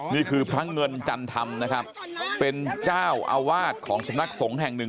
นี่คือพระเงินจันธรรมนะครับเป็นเจ้าอาวาสของสำนักสงฆ์แห่งหนึ่ง